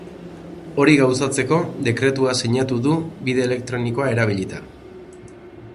Hori gauzatzeko, dekretua sinatu du bide elektronikoa erabilita.